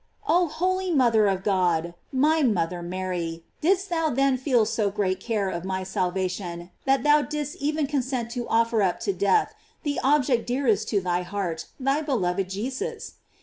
Oh holy mother of God my mothbi A*jry, didst thou then feel so great care of my salvation that thou didst even consent to offer up to death the object dearest to thy heart, thy beloved Je sus?